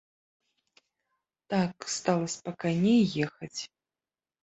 Так стала спакайней ехаць.